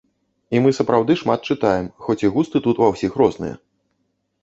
І мы сапраўды шмат чытаем, хоць і густы тут ва ўсіх розныя.